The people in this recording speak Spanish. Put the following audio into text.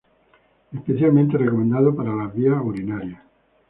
Especialmente recomendado para las vías urinarias.